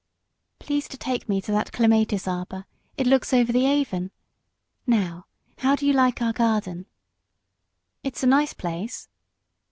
"Please to take me to that clematis arbour; it looks over the Avon. Now, how do you like our garden?" "It's a nice place."